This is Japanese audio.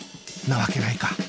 なわけないか